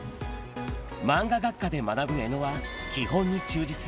漫画学科で学ぶ江野は、基本に忠実。